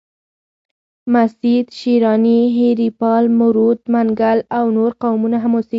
مسید، شیراني، هیریپال، مروت، منگل او نور قومونه هم اوسیږي.